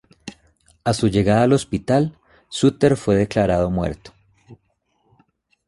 A su llegada al hospital, Sutter fue declarado muerto.